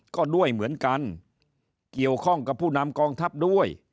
ก็ด้วยเหมือนกันเกี่ยวข้องกับผู้นำกองทัพด้วย